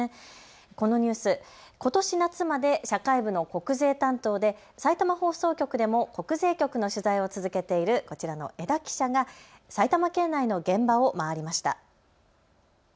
このニュース、ことし夏まで社会部の国税担当でさいたま放送局でも国税局の取材を続けているこちらの江田記者が埼玉県内の現場を回りました。